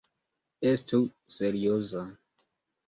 Estu serioza!